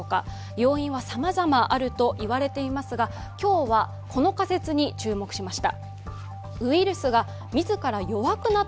要因はさまざまあると言われていますが今日はこの仮説に注目しました。